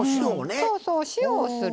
そうそう塩をする。